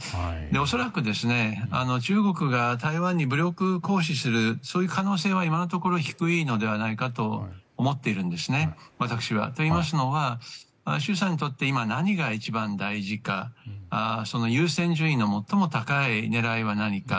恐らく、中国が台湾に武力行使する可能性は今のところ低いのではないかと思っているんですね、私は。といいますのは習さんにとって今、何が一番大事か優先順位の最も高い狙いは何か。